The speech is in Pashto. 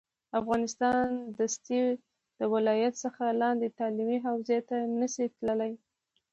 افغانستان دستي د ولایت څخه لاندې تعلیمي حوزې ته نه شي تللی